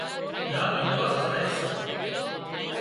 ڳاهَه ليوا زائي سي